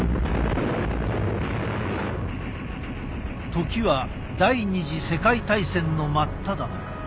時は第２次世界大戦の真っただ中。